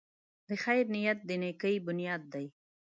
د خیر نیت د نېکۍ بنیاد دی.